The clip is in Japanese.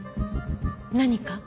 何か？